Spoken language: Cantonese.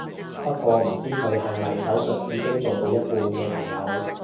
不過唔知佢係咪手術已經做到一半嘅朋友